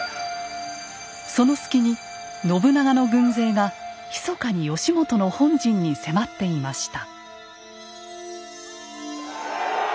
その隙に信長の軍勢がひそかに義元の本陣に迫っていました。